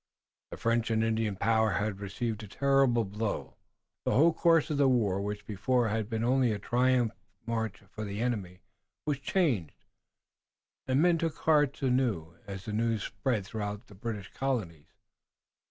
The French and Indian power had received a terrible blow, the whole course of the war, which before had been only a triumphant march for the enemy, was changed, and men took heart anew as the news spread through all the British colonies.